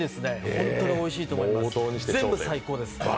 本当においしいと思います、全部最高です。